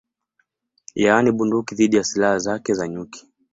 Yaani bunduki dhidi ya silaha zake za nyuki